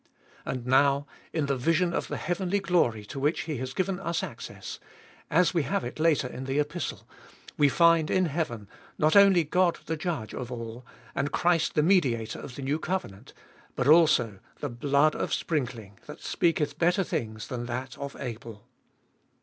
And now, in the vision of the heavenly glory to which he has given us access, as we have it later in the Epistle, we find in heaven not only God the Judge of all, and Christ the Mediator of the new covenant, but also the blood of sprinkling that speaketh better things than that of Abel.